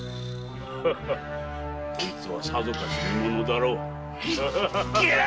こいつはさぞかし見ものだろうよ。